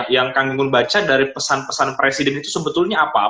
yang kang gunggul baca dari pesan pesan presiden itu sebetulnya apa